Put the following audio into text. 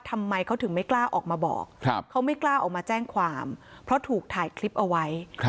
ทำไมเขาถึงไม่กล้าออกมาบอกเขาไม่กล้าออกมาแจ้งความเพราะถูกถ่ายคลิปเอาไว้